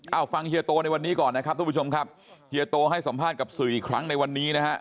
เอาฟังเฮียโตในวันนี้ก่อนนะครับทุกผู้ชมครับเฮียโตให้สัมภาษณ์กับสื่ออีกครั้งในวันนี้นะฮะ